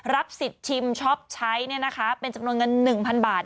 รับสิทธิ์ชิมช็อปใช้เป็นจำนวนเงิน๑๐๐๐บาท